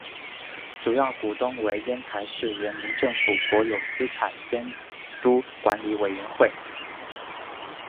主要股东为烟台市人民政府国有资产监督管理委员会。